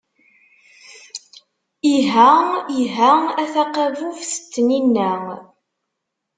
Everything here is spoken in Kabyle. Iha, iha a taqabubt n tnina.